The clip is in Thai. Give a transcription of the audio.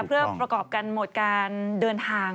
เพื่อประกอบกันหมดการเดินทาง